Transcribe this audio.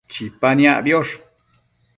Chipa niacbiosh